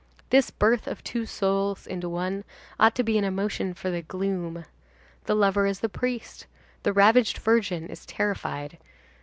This birth of two souls into one, ought to be an emotion for the gloom. The lover is the priest; the ravished virgin is terrified.